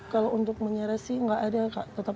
kalau untuk menyerah sih nggak ada kak